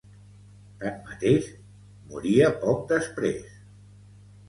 Tanmateix, moria poc després.